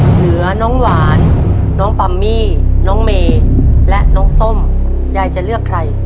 เหลือน้องหวานน้องปัมมี่น้องเมย์และน้องส้มยายจะเลือกใคร